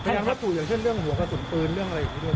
ยังระบุอย่างเช่นเรื่องหัวกระสุนปืนเรื่องอะไรอย่างนี้ด้วย